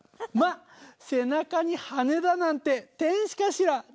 ま♥背中に羽根だなんて天使かしら？